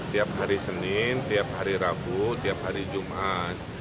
tiap hari senin tiap hari rabu tiap hari jumat